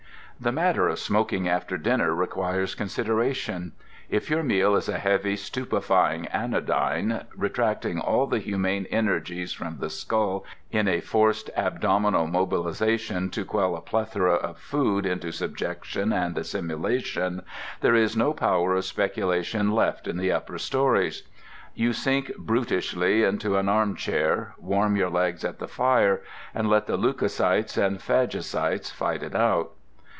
The matter of smoking after dinner requires consideration. If your meal is a heavy, stupefying anodyne, retracting all the humane energies from the skull in a forced abdominal mobilization to quell a plethora of food into subjection and assimilation, there is no power of speculation left in the top storeys. You sink brutishly into an armchair, warm your legs at the fire, and let the leucocytes and phagocytes fight it out.